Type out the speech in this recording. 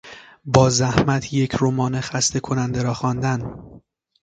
با زحمت یک رمان خسته کننده را خواندن